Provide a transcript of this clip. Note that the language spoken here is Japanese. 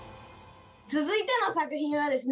続いての作品はですね